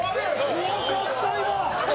怖かった、今。